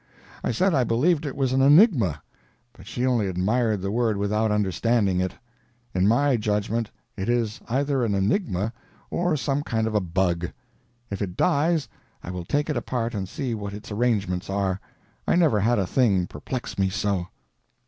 I said I believed it was an enigma; but she only admired the word without understanding it. In my judgment it is either an enigma or some kind of a bug. If it dies, I will take it apart and see what its arrangements are. I never had a thing perplex me so.